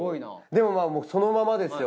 でもそのままですよ。